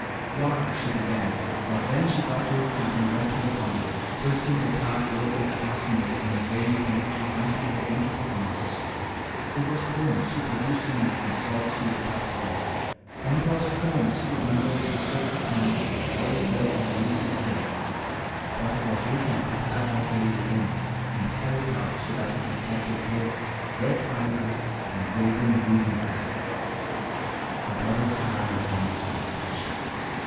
"Why " she began, but then she got to her feet and went to the bundle, twisting the tarred rope that fastened it in a vain attempt to undo the intricate knots. It was Holmes who produced a knife and sawed through the tough cord. And it was Holmes who unrolled the strips of canvas, oil silk, and greasy skins. But it was Ricky who took up what lay within and held it out so that it reflected both red firelight and golden room light. Her brother's sigh was one of satisfaction.